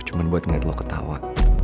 cuma buat ngeliat lo ketawa